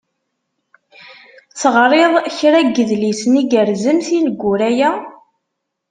Teɣriḍ kra n yidlisen igerrzen tineggura-ya?